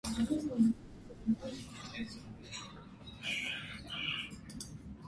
Վեպը գրված է մոգական ռեալիզմի ոճով։